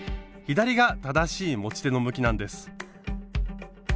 左が正しい持ち手の向きなんです。